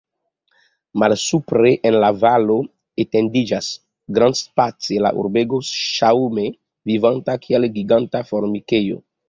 Malsupre, en la valo, etendiĝas grandspace la urbego, ŝaŭme vivanta, kiel giganta formikejo.